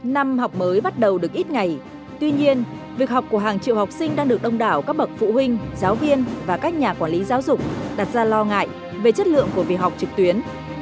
năm học mới bắt đầu được ít ngày tuy nhiên việc học của hàng triệu học sinh đang được đông đảo các bậc phụ huynh giáo viên và các nhà quản lý giáo dục đặt ra lo ngại về chất lượng của việc học trực tuyến